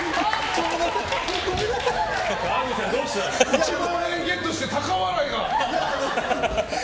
１万円ゲットして高笑いが。